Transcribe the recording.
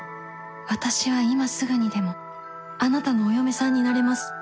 私は今すぐにでもあなたのお嫁さんになれます